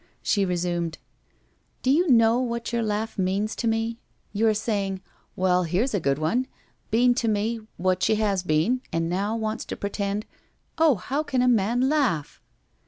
She resumed: * Do you know what your laugh means to me ? You are saying, " Well, here's a good one ! Been to me — what she has been, and now wants to pretend "— Oh how can a man laugh